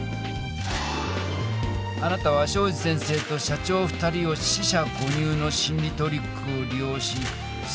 あなたは東海林先生と社長２人を四捨五入の心理トリックをり用しふ